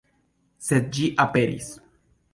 Sed ĝi aperis.